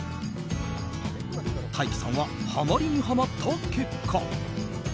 大樹さんはハマりにハマった結果